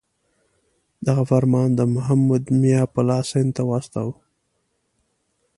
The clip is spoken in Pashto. دغه فرمان د محمود میا په لاس هند ته واستاوه.